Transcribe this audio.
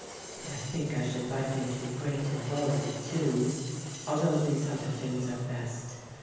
But I think I should like him to be great and wealthy, too, although these other things are best.